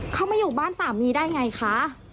เขามาอยู่บ้านสามีได้ไงคะ